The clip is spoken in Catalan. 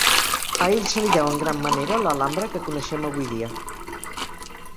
A ell se li deu en gran manera l'Alhambra que coneixem avui dia.